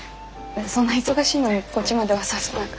そんな忙しいのにこっちまでわざわざ何か。